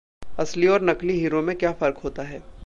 असली और नकली हीरों में क्या फ़र्क होता है?